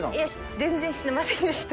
全然してませんでした。